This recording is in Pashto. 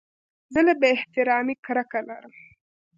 زه له بې احترامۍ کرکه لرم.